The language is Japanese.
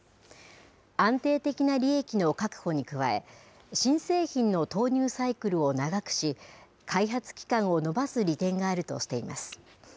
安定的な利益の確保に加え、新製品の投入サイクルを長くし、開発期間を延ばす利点があるとしています。